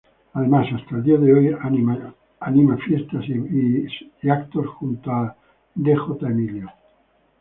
Además hasta el día de hoy anima fiestas y eventos junto a Dj Emilio.